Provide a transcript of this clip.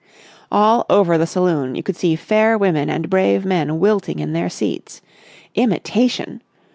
All over the saloon you could see fair women and brave men wilting in their seats. Imitation...!